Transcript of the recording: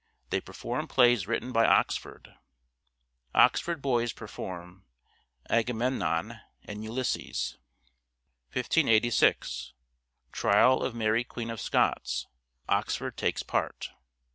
They perform plays written by Oxford. Oxford Boys perform " Agamemnon and Ulysses." 1586. Trial of Mary Queen of Scots — Oxford takes part.